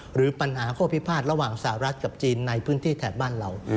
หรือปัญหาข้อพิพาทระหว่างสหรัฐกับจีนในพื้นที่แถบบ้านเรา